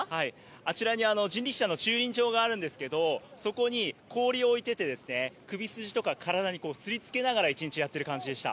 あちらに人力車の駐輪場があるんですけど、そこに氷を置いてて、首筋とか体にこう、すりつけながら、一日やってる感じでした。